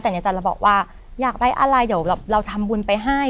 แต่ในจันทร์เราบอกว่าอยากได้อะไรเดี๋ยวเราทำบุญไปให้